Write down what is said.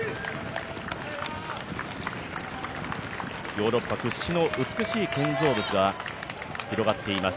ヨーロッパ屈指の美しい建造物が広がっています。